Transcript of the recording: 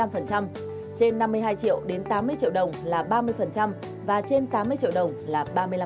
trên năm mươi hai triệu đến tám mươi triệu đồng là ba mươi và trên tám mươi triệu đồng là ba mươi năm